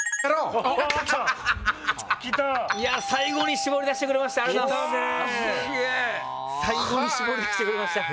最後に絞り出してくれました。